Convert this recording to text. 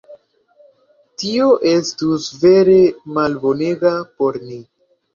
Tio estus vere malbonega por ni.